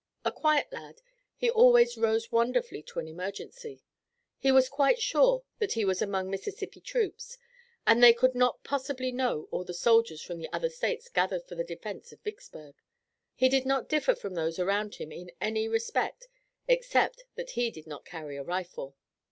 A quiet lad, he always rose wonderfully to an emergency. He was quite sure that he was among Mississippi troops, and they could not possibly know all the soldiers from the other states gathered for the defense of Vicksburg. He did not differ from those around him in any respect, except that he did not carry a rifle.